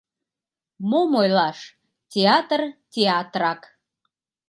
— Мом ойлаш, театр — театрак.